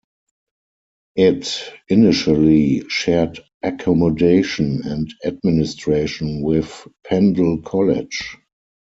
It initially shared accommodation and administration with Pendle College.